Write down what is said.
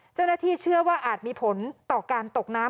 เจ้าหน้าที่เชื่อว่าอาจมีผลต่อการตกน้ำ